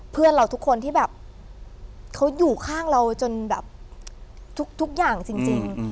เพื่อนเราทุกคนที่แบบเขาอยู่ข้างเราจนแบบทุกอย่างจริง